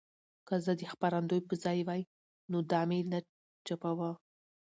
که زه د خپرندوی په ځای وای نو دا مې نه چاپوه.